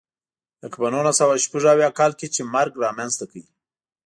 لکه په نولس سوه شپږ اویا کال کې چې مرګ رامنځته کړه.